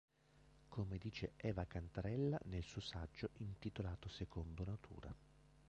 Come dice Eva Cantarella nel suo saggio intitolato "Secondo natura.